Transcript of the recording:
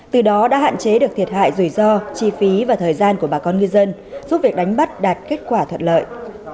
từ đó đã hạn chế được thiệt hại rủi ro chi phí và thời gian của bà con ngư dân giúp việc đánh bắt đạt kết quả thuận lợi